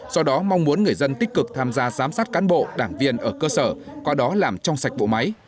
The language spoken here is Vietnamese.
do đó mong muốn người dân tích cực tham gia giám sát cán bộ đảng viên ở cơ sở qua đó làm trong sạch bộ máy